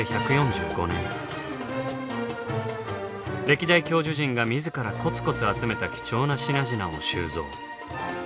歴代教授陣が自らコツコツ集めた貴重な品々を収蔵。